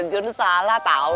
jun lu salah tahu